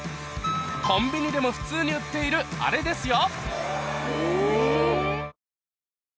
コンビニでも普通に売っているあれですよ